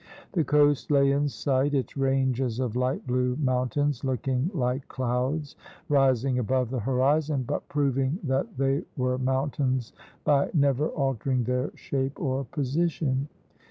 The coast lay in sight, its ranges of light blue mountains looking like clouds, rising above the horizon but proving that they were mountains by never altering their shape or position.